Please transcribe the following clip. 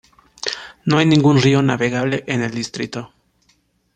No hay ningún río navegable en el distrito.